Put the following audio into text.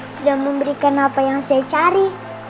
sudah memberikan apa yang saya cari